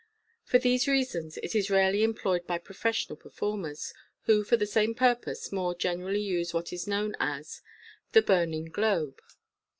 For these reasons it is rarely employed by professional performers, who for the same purpose more generally use what is known as The Burning Globe.